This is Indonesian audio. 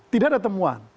tidak ada temuan